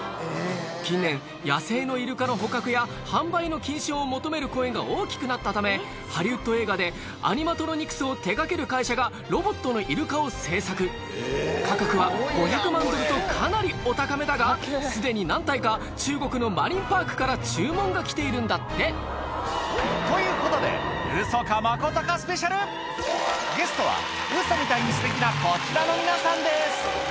近年野生のイルカの捕獲や販売の禁止を求める声が大きくなったためハリウッド映画でアニマトロニクスを手掛ける会社がロボットのイルカを製作価格は５００万ドルとかなりお高めだがすでに何体か中国のマリンパークから注文が来ているんだってということでゲストはウソみたいにすてきなこちらの皆さんです